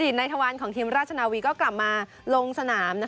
อดีตนายทวารของทีมราชนาวีก็กลับมาลงสนาม